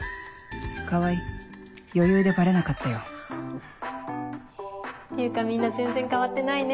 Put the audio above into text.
川合余裕でバレなかったよっていうかみんな全然変わってないね。